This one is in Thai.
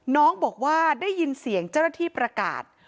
น้องบอกว่าได้ยินเสียงเจ้าหน้าที่ประกาศ